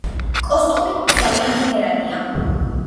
კოსტუმი ძალიან ფერადია.